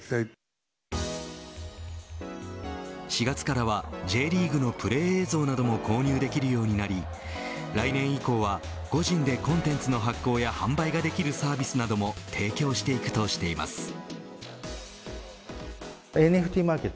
４月からは、Ｊリーグのプレー映像なども購入できるようになり来年以降は個人でコンテンツの発行や販売ができるサービスなども提供していくとしています。